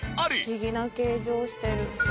「不思議な形状してる」